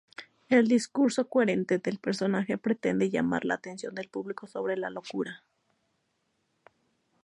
El discurso coherente del personaje pretende llamar la atención del público sobre la locura.